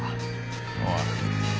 おい。